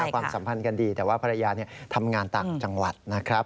ความสัมพันธ์กันดีแต่ว่าภรรยาทำงานต่างจังหวัดนะครับ